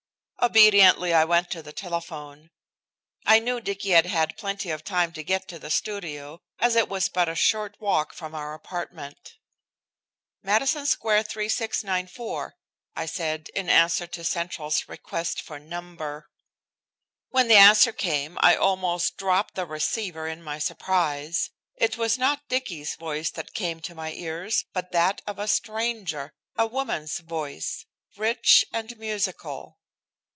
Obediently I went to the telephone. I knew Dicky had had plenty of time to get to the studio, as it was but a short walk from our apartment. "Madison Square 3694," I said in answer to Central's request for "number." When the answer came I almost dropped the receiver in my surprise. It was not Dicky's voice that came to my ears, but that of a stranger, a woman's voice, rich and musical.